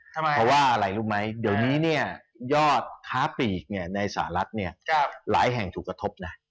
เพราะว่าอะไรรู้ไหมเดี๋ยวนี้เนี่ยยอดค้าปีกในสหรัฐเนี่ยหลายแห่งถูกกระทบนะ